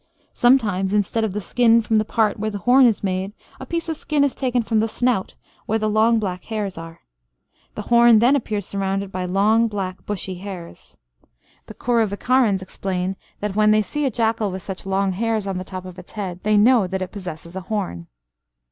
Sometimes, instead of the skin from the part where the horn is made, a piece of skin is taken from the snout, where the long black hairs are. The horn then appears surrounded by long black bushy hairs. The Kuruvikkarans explain that, when they see a jackal with such long hairs on the top of its head, they know that it possesses a horn.